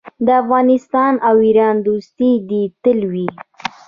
د افغانستان او ایران دوستي دې تل وي.